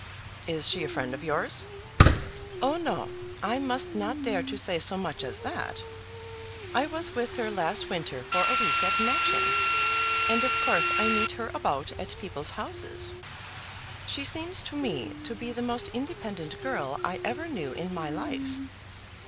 "Is she a friend of yours?" "Oh no; I must not dare to say so much as that. I was with her last winter for a week at Matching, and of course I meet her about at people's houses. She seems to me to be the most independent girl I ever knew in my life.